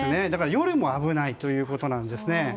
夜も危ないということなんです。